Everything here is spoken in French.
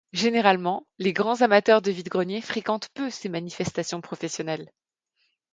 Généralement, les grands amateurs de vide-greniers fréquentent peu ces manifestations professionnelles.